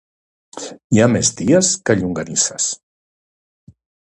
Hi ha més dies que llonganisses.